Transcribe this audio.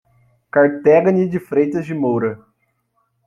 Carteggane de Freitas de Moura